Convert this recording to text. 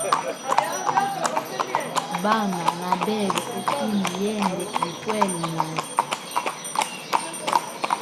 Bamba na bebe ufimba yende gukwele mwazi.